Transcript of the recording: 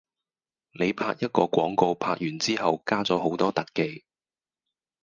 你拍一個廣告拍完之後加咗好多特技